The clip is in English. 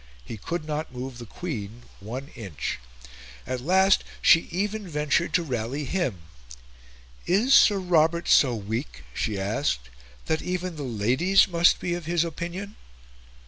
He could not move the Queen one inch. At last, she even ventured to rally him. "Is Sir Robert so weak," she asked, "that even the Ladies must be of his opinion?"